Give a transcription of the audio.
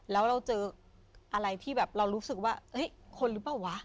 แล้วเราเจออะไรที่แบบเรารู้สึกว่าคนหรือเปล่าวะ